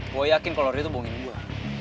gue yakin kalau dia tuh bohongin gue